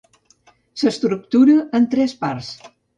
s'estructura en tres parts